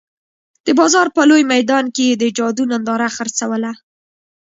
د بازار په لوی میدان کې یې د جادو ننداره خرڅوله.